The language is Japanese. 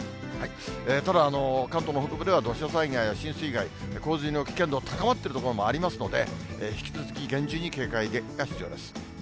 ただ、関東の北部では土砂災害や浸水害、洪水の危険度が高まっている所もありますので、引き続き厳重に警戒が必要です。